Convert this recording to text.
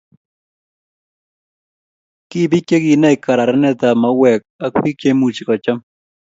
Ki biik cheginai kararenet tab mauek ak biik cheimuchi kocham.